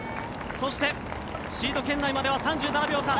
そして、シード圏内まで３７秒差